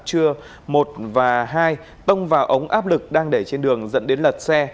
thủy điện đắc chưa một và hai tông vào ống áp lực đang để trên đường dẫn đến lật xe